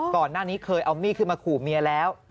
ก่อนหน้านี้เคยเอามีดขึ้นมาขู่เมียแล้ว